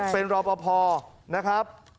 เป็นรอบพอพอนะครับ